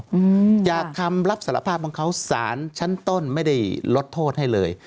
อืมจากคำรับสารภาพของเขาสารชั้นต้นไม่ได้ลดโทษให้เลย